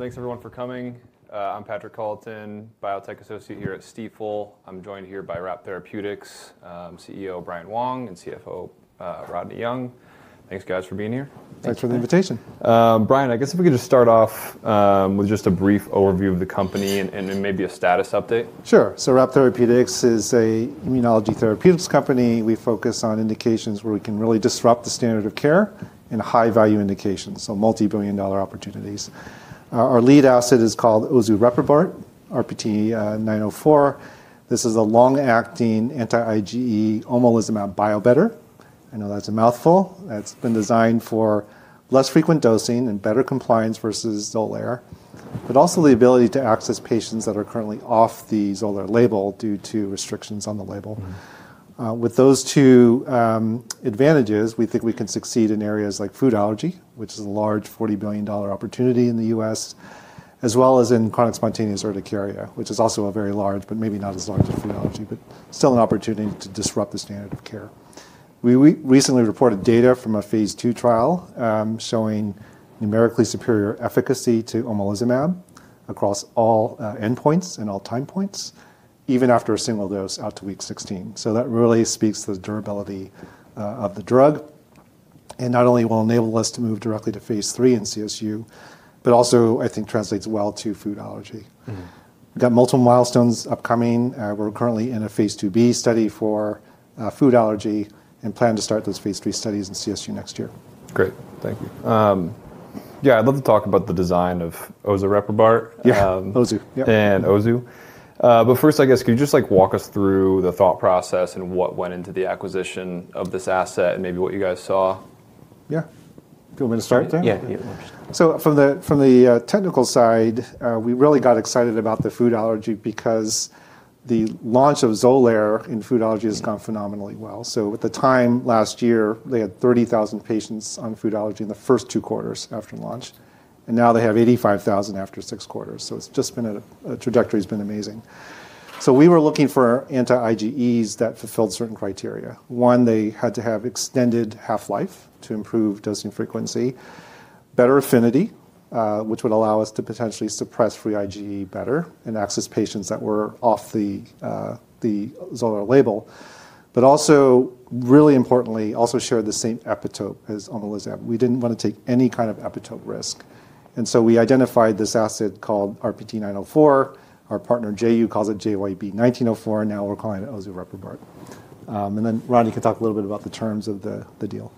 Thanks, everyone, for coming. I'm Patrick Colton, Biotech Associate here at Stifel. I'm joined here by RAPT Therapeutics, CEO Brian Wong, and CFO Rodney Young. Thanks, guys, for being here. Thanks for the invitation. Brian, I guess if we could just start off with just a brief overview of the company and maybe a status update. Sure. RAPT Therapeutics is an immunology therapeutics company. We focus on indications where we can really disrupt the standard of care and high-value indications, so multi-billion dollar opportunities. Our lead asset is called ozureprubart (RPT904). This is a long-acting anti-IgE, omalizumab bio-better. I know that's a mouthful. That's been designed for less frequent dosing and better compliance versus Xolair, but also the ability to access patients that are currently off the Xolair label due to restrictions on the label. With those two advantages, we think we can succeed in areas like food allergy, which is a large $40 billion opportunity in the U.S. as well as in chronic spontaneous urticaria, which is also very large, but maybe not as large as food allergy, but still an opportunity to disrupt the standard of care. We recently reported data from a phase II trial showing numerically superior efficacy to omalizumab across all endpoints and all time points, even after a single dose out to week 16. That really speaks to the durability of the drug. Not only will it enable us to move directly to phase III in CSU, but also, I think, translates well to food allergy. We've got multiple milestones upcoming. We're currently phase IIb study for food allergy and plan to start those phase III studies in CSU next year. Great. Thank you. Yeah, I'd love to talk about the design of ozureprubart. Yeah, OZU. OZU. But first, I guess, could you just walk us through the thought process and what went into the acquisition of this asset and maybe what you guys saw? Yeah. Do you want me to start there? Yeah. From the technical side, we really got excited about the food allergy because the launch of Xolair in food allergy has gone phenomenally well. At the time last year, they had 30,000 patients on food allergy in the first two quarters after launch. Now they have 85,000 after six quarters. It has just been a trajectory that's been amazing. We were looking for anti-IgEs that fulfilled certain criteria. One, they had to have extended half-life to improve dosing frequency, better affinity, which would allow us to potentially suppress free IgE better and access patients that were off the Xolair label. Also, really importantly, share the same epitope as omalizumab. We did not want to take any kind of epitope risk. We identified this asset called RPT904. Our partner, Jiangsu Hengrui Pharmaceuticals, calls it JYB1904. Now we're calling it ozureprubart. Rodney can talk a little bit about the terms of the deal.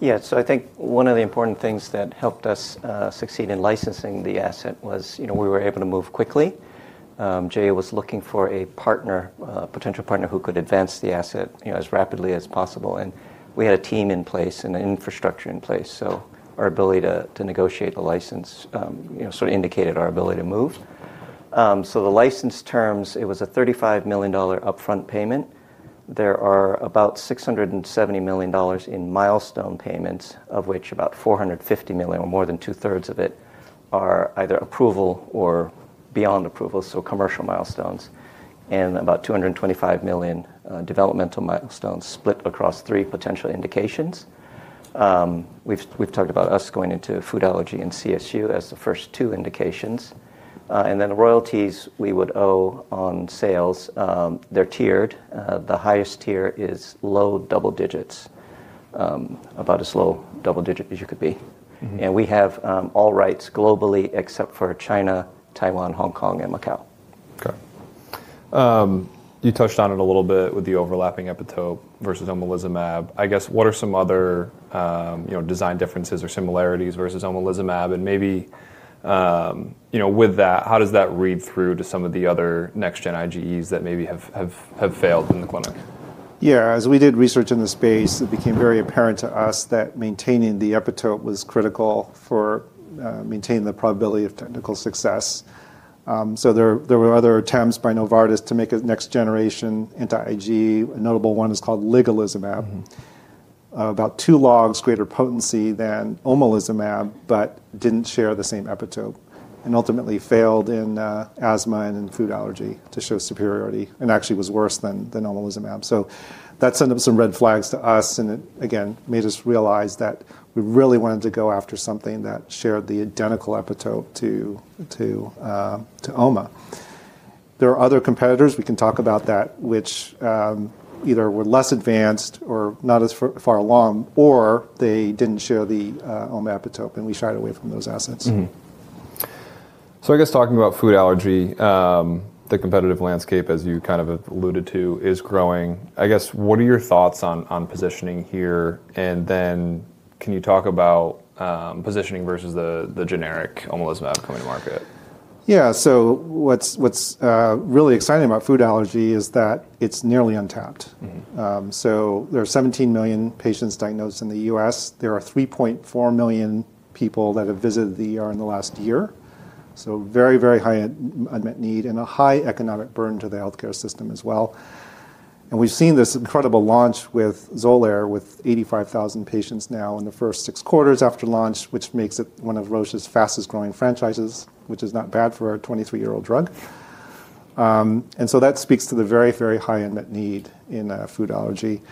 Yeah. I think one of the important things that helped us succeed in licensing the asset was we were able to move quickly. JU was looking for a potential partner who could advance the asset as rapidly as possible. We had a team in place and an infrastructure in place. Our ability to negotiate the license sort of indicated our ability to move. The license terms, it was a $35 million upfront payment. There are about $670 million in milestone payments, of which about $450 million, or more than two-thirds of it, are either approval or beyond approval, so commercial milestones, and about $225 million developmental milestones split across three potential indications. We've talked about us going into food allergy in CSU as the first two indications. The royalties we would owe on sales, they're tiered. The highest tier is low double digits, about as low double digit as you could be. We have all rights globally except for China, Taiwan, Hong Kong, and Macau. Okay. You touched on it a little bit with the overlapping epitope versus omalizumab. I guess, what are some other design differences or similarities versus omalizumab? Maybe with that, how does that read through to some of the other next-gen IgEs that maybe have failed in the clinic? Yeah. As we did research in the space, it became very apparent to us that maintaining the epitope was critical for maintaining the probability of technical success. There were other attempts by Novartis to make a next-generation anti-IgE. A notable one is called ligelizumab, about two logs greater potency than omalizumab, but did not share the same epitope and ultimately failed in asthma and in food allergy to show superiority and actually was worse than omalizumab. That sent up some red flags to us. It, again, made us realize that we really wanted to go after something that shared the identical epitope to OMA. There are other competitors. We can talk about that, which either were less advanced or not as far along, or they did not share the OMA epitope, and we shied away from those assets. I guess talking about food allergy, the competitive landscape, as you kind of alluded to, is growing. I guess, what are your thoughts on positioning here? And then can you talk about positioning versus the generic omalizumab coming to market? Yeah. What's really exciting about food allergy is that it's nearly untapped. There are 17 million patients diagnosed in the U.S. There are 3.4 million people that have visited in the last year. Very, very high unmet need and a high economic burden to the health care system as well. We've seen this incredible launch with Xolair with 85,000 patients now in the first six quarters after launch, which makes it one of Roche's fastest-growing franchises, which is not bad for a 23-year-old drug. That speaks to the very, very high unmet need in food allergy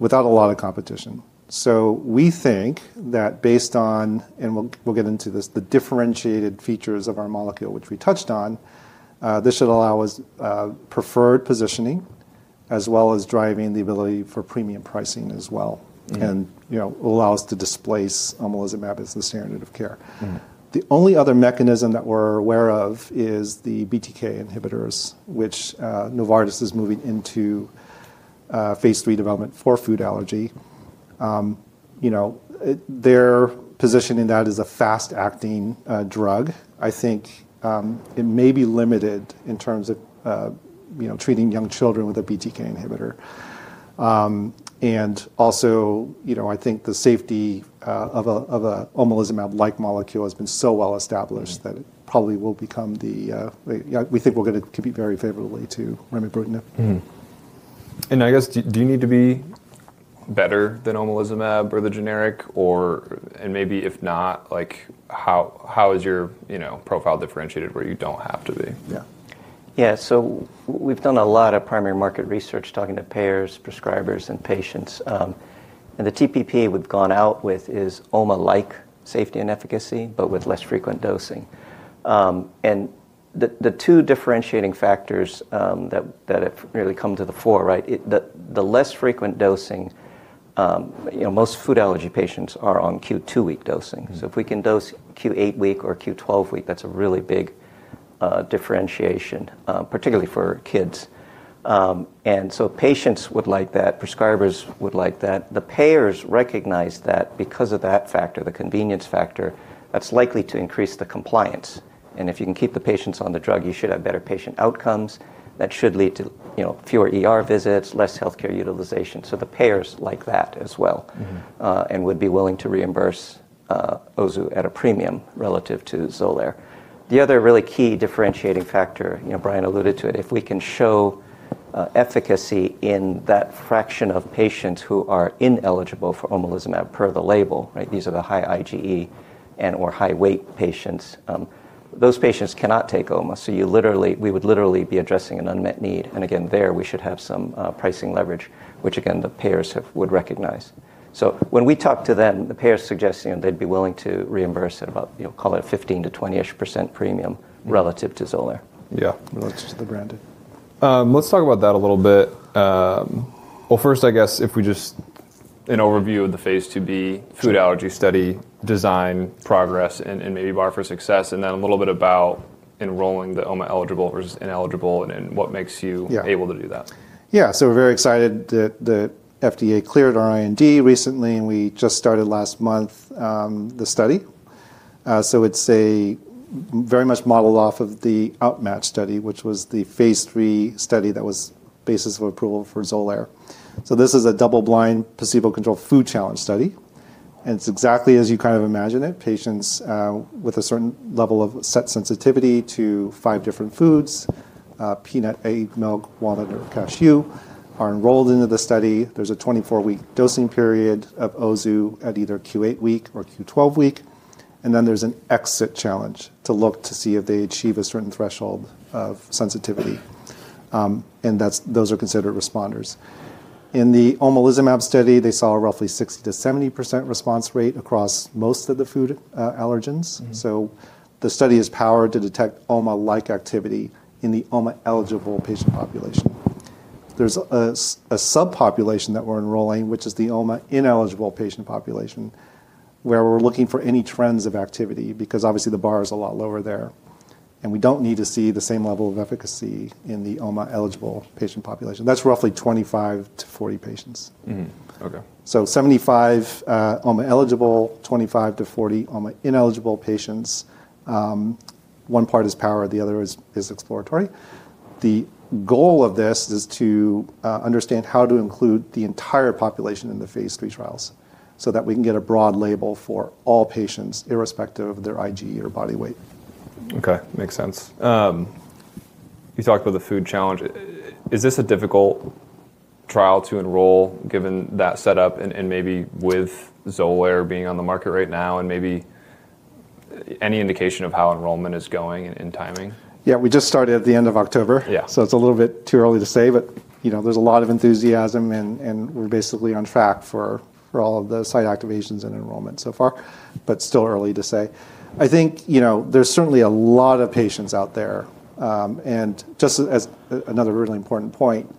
without a lot of competition. We think that based on, and we'll get into this, the differentiated features of our molecule, which we touched on, this should allow us preferred positioning as well as driving the ability for premium pricing as well. It will allow us to displace omalizumab as the standard of care. The only other mechanism that we're aware of is the BTK inhibitors, which Novartis is moving into phase III development for food allergy. Their position in that is a fast-acting drug. I think it may be limited in terms of treating young children with a BTK inhibitor. I think the safety of an omalizumab-like molecule has been so well established that it probably will become the, we think we're going to compete very favorably to Remibrutinib. I guess, do you need to be better than omalizumab or the generic? Maybe if not, how is your profile differentiated where you don't have to be? Yeah. Yeah. So we've done a lot of primary market research talking to payers, prescribers, and patients. The TPP we've gone out with is OMA-like safety and efficacy, but with less frequent dosing. The two differentiating factors that have really come to the fore, right, the less frequent dosing, most food allergy patients are on Q2 week dosing. If we can dose Q8 week or Q12 week, that's a really big differentiation, particularly for kids. Patients would like that. Prescribers would like that. The payers recognize that because of that factor, the convenience factor, that's likely to increase the compliance. If you can keep the patients on the drug, you should have better patient outcomes. That should lead to fewer visits, less health care utilization. The payers like that as well and would be willing to reimburse OZU at a premium relative to Xolair. The other really key differentiating factor, Brian alluded to it, if we can show efficacy in that fraction of patients who are ineligible for omalizumab per the label, right, these are the high IgE and/or high weight patients, those patients cannot take OMA. We would literally be addressing an unmet need. Again, there we should have some pricing leverage, which again, the payers would recognize. When we talk to them, the payers suggest they'd be willing to reimburse at about, call it 15%-20% premium relative to Xolair. Yeah, relative to the branded. Let's talk about that a little bit. First, I guess, if we just an overview of the phase IIb food allergy study design progress and maybe bar for success, and then a little bit about enrolling the OMA eligible versus ineligible and what makes you able to do that. Yeah. We're very excited that the FDA cleared our IND recently. We just started last month the study. It's very much modeled off of the OUtMATCH study, which was the phase III study that was basis of approval for Xolair. This is a double-blind placebo-controlled food challenge study. It's exactly as you kind of imagine it. Patients with a certain level of set sensitivity to five different foods, peanut, egg, milk, walnut, or cashew, are enrolled into the study. There's a 24-week dosing period of OZU at either Q8 week or Q12 week. There's an exit challenge to look to see if they achieve a certain threshold of sensitivity. Those are considered responders. In the omalizumab study, they saw a roughly 60%-70% response rate across most of the food allergens. The study is powered to detect OMA-like activity in the OMA eligible patient population. There's a subpopulation that we're enrolling, which is the OMA ineligible patient population, where we're looking for any trends of activity because obviously the bar is a lot lower there. We don't need to see the same level of efficacy in the OMA eligible patient population. That's roughly 25%-40% patients. So 75% OMA eligible, 25%-40% OMA ineligible patients. One part is power. The other is exploratory. The goal of this is to understand how to include the entire population in the phase III trials so that we can get a broad label for all patients irrespective of their IgE or body weight. Okay. Makes sense. You talked about the food challenge. Is this a difficult trial to enroll given that setup and maybe with Xolair being on the market right now and maybe any indication of how enrollment is going and timing? Yeah. We just started at the end of October. It's a little bit too early to say, but there's a lot of enthusiasm. We're basically on track for all of the site activations and enrollment so far, but still early to say. I think there's certainly a lot of patients out there. Just as another really important point,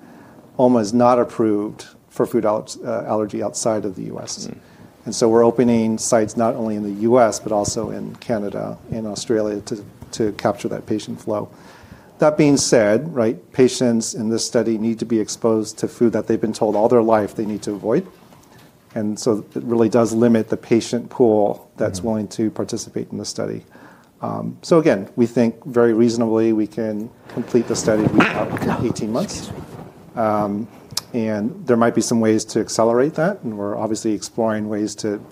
OMA is not approved for food allergy outside of the U.S. We're opening sites not only in the U.S., but also in Canada and Australia to capture that patient flow. That being said, patients in this study need to be exposed to food that they've been told all their life they need to avoid. It really does limit the patient pool that's willing to participate in the study. Again, we think very reasonably we can complete the study in 18 months. There might be some ways to accelerate that. We're obviously exploring ways to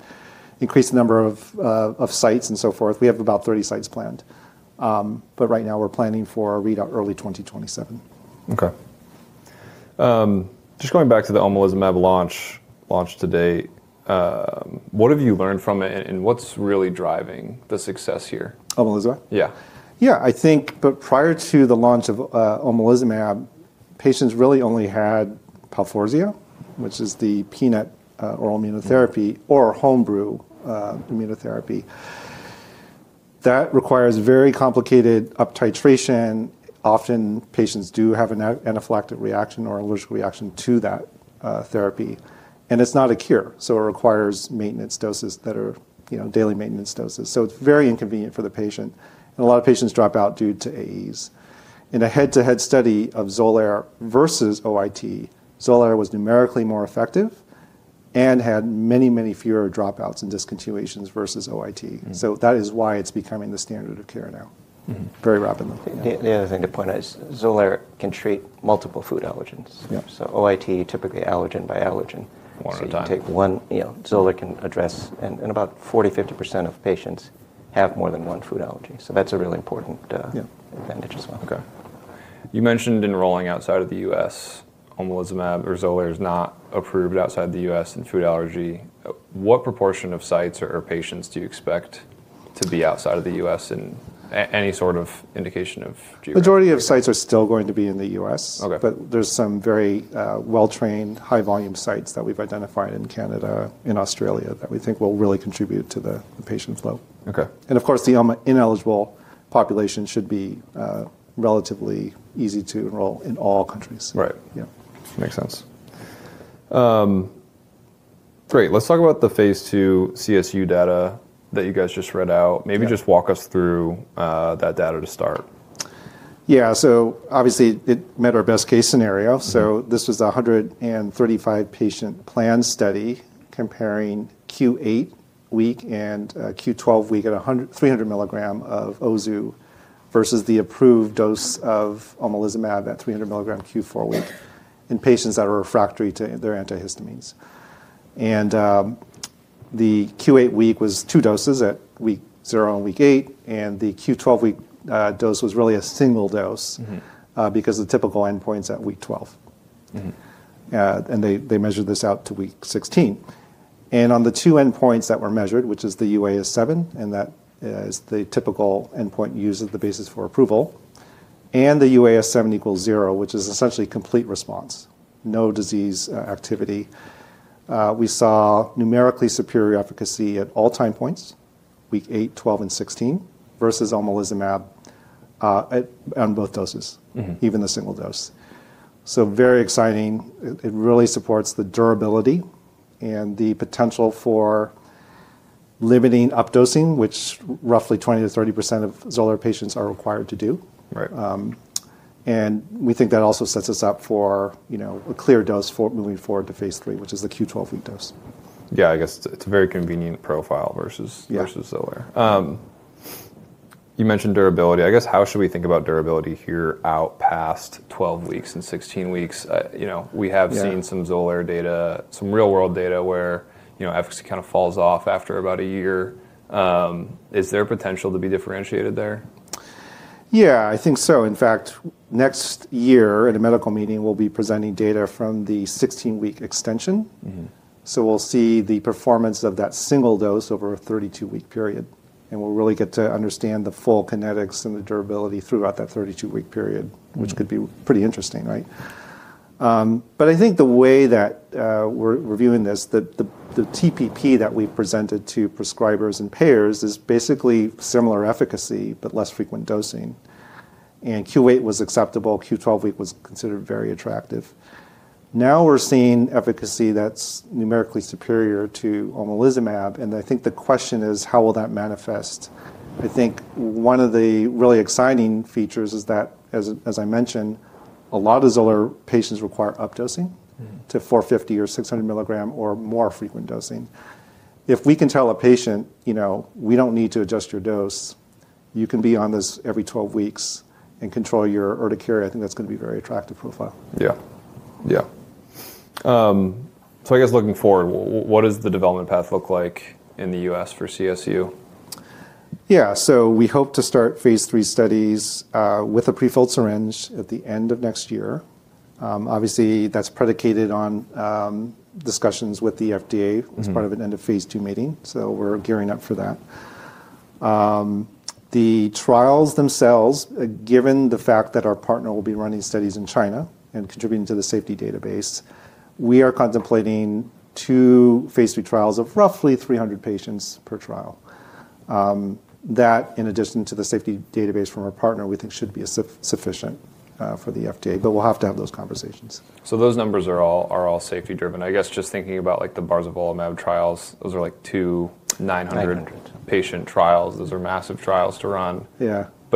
increase the number of sites and so forth. We have about 30 sites planned. Right now we're planning for a readout early 2027. Okay. Just going back to the omalizumab launch today, what have you learned from it? What is really driving the success here? Omalizumab? Yeah. Yeah. I think prior to the launch of omalizumab, patients really only had Palforzia, which is the peanut oral immunotherapy or homebrew immunotherapy. That requires very complicated up-titration. Often patients do have an anaphylactic reaction or allergic reaction to that therapy. And it's not a cure. It requires maintenance doses that are daily maintenance doses. It's very inconvenient for the patient. A lot of patients drop out due to AEs. In a head-to-head study of Xolair versus OIT, Xolair was numerically more effective and had many, many fewer dropouts and discontinuations versus OIT. That is why it's becoming the standard of care now very rapidly. The other thing to point out is Xolair can treat multiple food allergens. OIT typically allergen by allergen. You can take one. Xolair can address. About 40%-50% of patients have more than one food allergy. That is a really important advantage as well. Okay. You mentioned enrolling outside of the U.S. omalizumab or Xolair is not approved outside the U.S. in food allergy. What proportion of sites or patients do you expect to be outside of the U.S. in any sort of indication of? Majority of sites are still going to be in the U.S. There are some very well-trained high-volume sites that we've identified in Canada and Australia that we think will really contribute to the patient flow. Of course, the OMA ineligible population should be relatively easy to enroll in all countries. Right. Makes sense. Great. Let's talk about the phase II CSU data that you guys just read out. Maybe just walk us through that data to start. Yeah. Obviously it met our best case scenario. This was a 135-patient planned study comparing Q8 week and Q12 week at 300 mg of OZU versus the approved dose of omalizumab at 300 mg Q4 week in patients that are refractory to their antihistamines. The Q8 week was two doses at week zero and week eight. The Q12 week dose was really a single dose because of the typical endpoints at week 12. They measured this out to week 16. On the two endpoints that were measured, which is the UAS7, and that is the typical endpoint used as the basis for approval, and the UAS7=0, which is essentially complete response, no disease activity, we saw numerically superior efficacy at all time points, week eight, 12, and 16 versus omalizumab on both doses, even the single dose. Very exciting. It really supports the durability and the potential for limiting up-dosing, which roughly 20%-30% of Xolair patients are required to do. We think that also sets us up for a clear dose for moving forward to phase III, which is the Q12 week dose. Yeah. I guess it's a very convenient profile versus Xolair. You mentioned durability. I guess how should we think about durability here out past 12 weeks and 16 weeks? We have seen some Xolair data, some real-world data where efficacy kind of falls off after about a year. Is there potential to be differentiated there? Yeah, I think so. In fact, next year at a medical meeting, we'll be presenting data from the 16-week extension. We'll see the performance of that single dose over a 32-week period. We'll really get to understand the full kinetics and the durability throughout that 32-week period, which could be pretty interesting, right? I think the way that we're viewing this, the TPP that we've presented to prescribers and payers is basically similar efficacy, but less frequent dosing. Q8 was acceptable. Q12 week was considered very attractive. Now we're seeing efficacy that's numerically superior to omalizumab. I think the question is, how will that manifest? I think one of the really exciting features is that, as I mentioned, a lot of Xolair patients require up-dosing to 450 or 600 mg or more frequent dosing. If we can tell a patient, "We don't need to adjust your dose. You can be on this every 12 weeks and control your urticaria," I think that's going to be a very attractive profile. Yeah. Yeah. I guess looking forward, what does the development path look like in the U.S. for CSU? Yeah. We hope to start phase III studies with a prefilled syringe at the end of next year. Obviously, that's predicated on discussions with the FDA as part of an end-of-phase II meeting. We're gearing up for that. The trials themselves, given the fact that our partner will be running studies in China and contributing to the safety database, we are contemplating two phase III trials of roughly 300 patients per trial. That, in addition to the safety database from our partner, we think should be sufficient for the FDA. We'll have to have those conversations. Those numbers are all safety-driven. I guess just thinking about the barzolvolimab trials, those are like two 900-patient trials. Those are massive trials to run.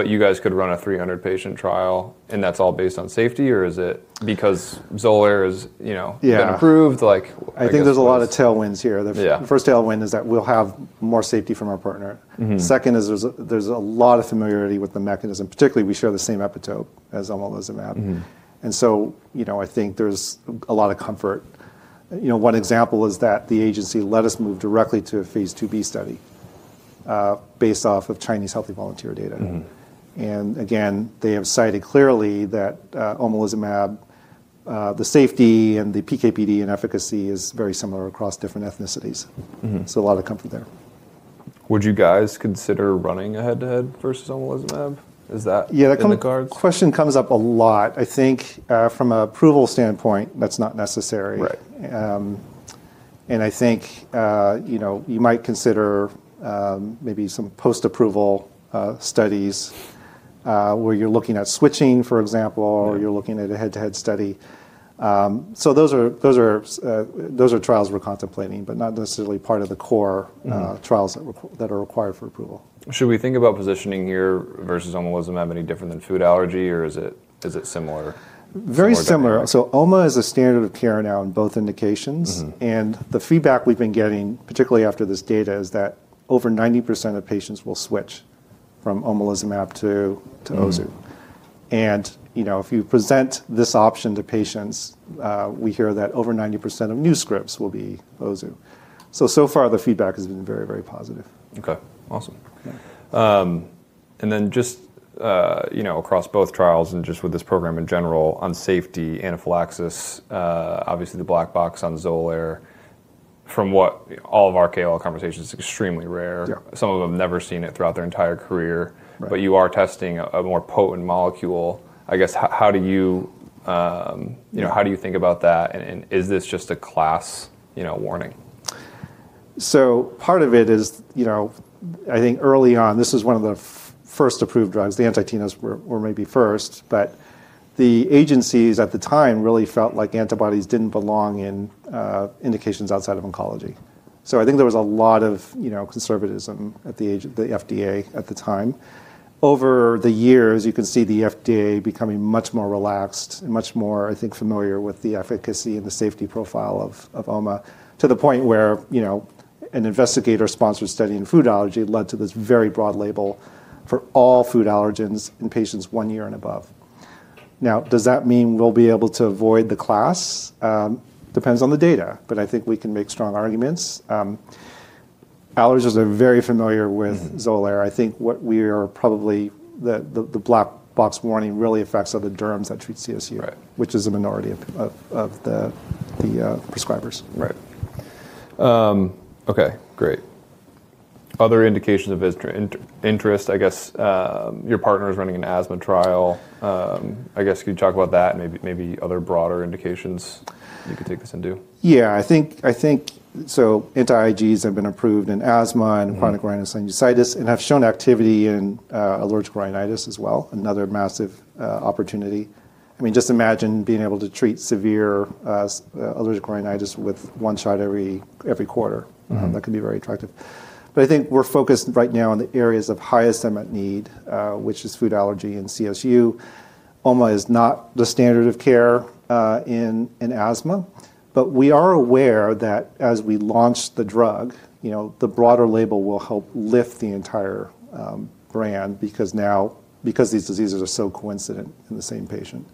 You guys could run a 300-patient trial. That's all based on safety, or is it because Xolair has been approved? Yeah. I think there's a lot of tailwinds here. The first tailwind is that we'll have more safety from our partner. Second is there's a lot of familiarity with the mechanism. Particularly, we share the same epitope as omalizumab. I think there's a lot of comfort. One example is that the agency let us move directly to a phase IIb study based off of Chinese healthy volunteer data. Again, they have cited clearly that omalizumab, the safety and the PKPD and efficacy is very similar across different ethnicities. A lot of comfort there. Would you guys consider running a head-to-head versus omalizumab? Is that in the cards? Yeah. The question comes up a lot. I think from an approval standpoint, that's not necessary. I think you might consider maybe some post-approval studies where you're looking at switching, for example, or you're looking at a head-to-head study. Those are trials we're contemplating, but not necessarily part of the core trials that are required for approval. Should we think about positioning here versus omalizumab any different than food allergy, or is it similar? Very similar. OMA is a standard of care now in both indications. The feedback we've been getting, particularly after this data, is that over 90% of patients will switch from omalizumab to OZU. If you present this option to patients, we hear that over 90% of new scripts will be OZU. So far, the feedback has been very, very positive. Okay. Awesome. Across both trials and just with this program in general on safety, anaphylaxis, obviously the black box on Xolair, from what all of our KOL conversations, it's extremely rare. Some of them have never seen it throughout their entire career. You are testing a more potent molecule. I guess how do you think about that? Is this just a class warning? Part of it is I think early on, this was one of the first approved drugs. The anti-TNF were maybe first. The agencies at the time really felt like antibodies did not belong in indications outside of oncology. I think there was a lot of conservatism at the FDA at the time. Over the years, you can see the FDA becoming much more relaxed and much more, I think, familiar with the efficacy and the safety profile of OMA to the point where an investigator-sponsored study in food allergy led to this very broad label for all food allergens in patients one year and above. Now, does that mean we will be able to avoid the class? Depends on the data. I think we can make strong arguments. Allergens are very familiar with Xolair. I think what we are probably the black box warning really affects are the derms that treat CSU, which is a minority of the prescribers. Right. Okay. Great. Other indications of interest? I guess your partner is running an asthma trial. I guess could you talk about that and maybe other broader indications you could take this into? Yeah. I think so anti-IgEs have been approved in asthma and chronic rhinosinusitis and have shown activity in allergic rhinitis as well, another massive opportunity. I mean, just imagine being able to treat severe allergic rhinitis with one shot every quarter. That can be very attractive. I think we're focused right now on the areas of highest eminent need, which is food allergy and CSU. OMA is not the standard of care in asthma. We are aware that as we launch the drug, the broader label will help lift the entire brand because these diseases are so coincident in the same patient.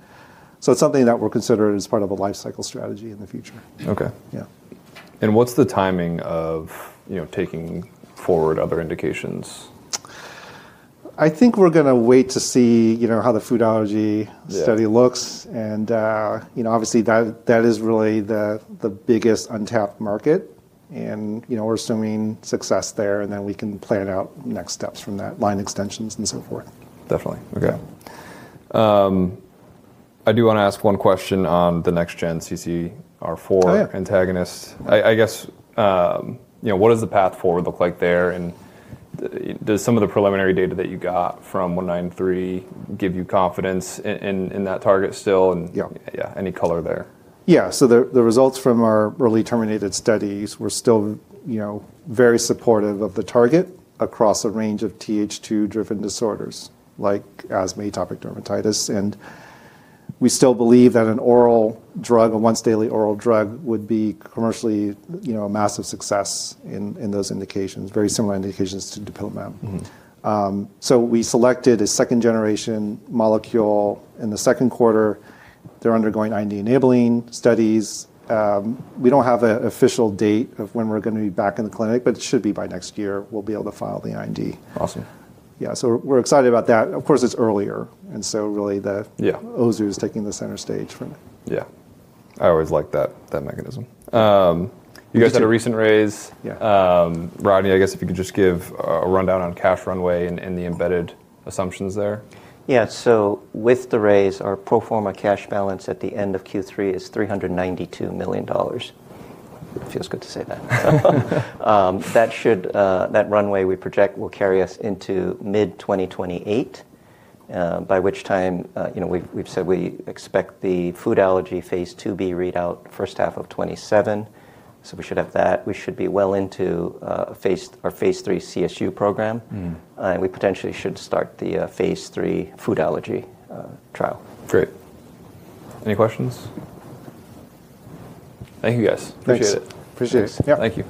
It is something that we're considering as part of a life cycle strategy in the future. Okay. What's the timing of taking forward other indications? I think we're going to wait to see how the food allergy study looks. Obviously, that is really the biggest untapped market. We're assuming success there. Then we can plan out next steps from that, line extensions and so forth. Definitely. Okay. I do want to ask one question on the next-gen CCR4 antagonist. I guess what does the path forward look like there? Does some of the preliminary data that you got from 193 give you confidence in that target still? Yeah, any color there? Yeah. The results from our early terminated studies were still very supportive of the target across a range of TH2-driven disorders like asthma, atopic dermatitis. We still believe that an oral drug, a once-daily oral drug, would be commercially a massive success in those indications, very similar indications to dupilumab. We selected a second-generation molecule in the second quarter. They are undergoing IND enabling studies. We do not have an official date of when we are going to be back in the clinic, but it should be by next year. We will be able to file the IND. Awesome. Yeah. So we're excited about that. Of course, it's earlier. And so really, the OZU is taking the center stage for now. Yeah. I always like that mechanism. You guys had a recent raise. Rodney, I guess if you could just give a rundown on cash runway and the embedded assumptions there. Yeah. So with the raise, our pro forma cash balance at the end of Q3 is $392 million. Feels good to say that. That runway we project will carry us into mid-2028, by which time we've said we expect the food allergy phase IIb readout first half of 2027. We should have that. We should be well into our phase III CSU program. We potentially should start the phase III food allergy trial. Great. Any questions? Thank you, guys. Appreciate it. Appreciate it. Thank you.